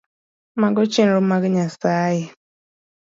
Mago chenro mag Nyasaye